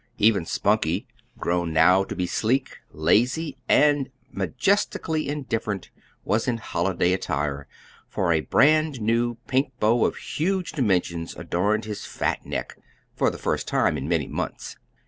Even Spunkie, grown now to be sleek, lazy, and majestically indifferent, was in holiday attire, for a brand new pink bow of huge dimensions adorned his fat neck for the first time in many months.